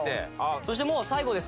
そしてもう最後です。